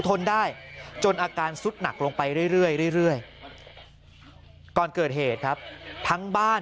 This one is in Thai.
ทนได้จนอาการสุดหนักลงไปเรื่อยก่อนเกิดเหตุครับทั้งบ้าน